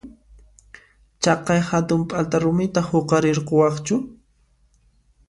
Chaqay hatun p'alta rumita huqarirquwaqchu?